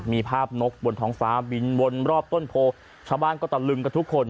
มีภาพนกบนท้องฟ้าบินวนรอบต้นโพชาวบ้านก็ตะลึงกับทุกคน